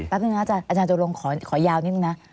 ปั๊บหนึ่งนะอาจารย์อาจารย์โจรงขอยาวนิดหนึ่งนะ